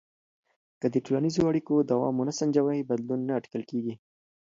که د ټولنیزو اړیکو دوام ونه سنجوې، بدلون نه اټکل کېږي.